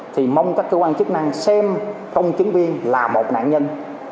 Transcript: thì mong các cơ quan chức năng xem công chứng viên là một nạn nhân